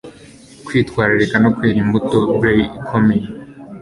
kwitwararika no kwera imbuto braikomeye